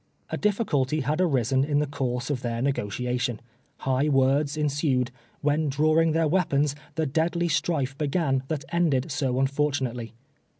A diffi culty had arisen in the course of their negotiation, high words ensued, when drawing their weapons, the deadly strife began that ended so unfortunately.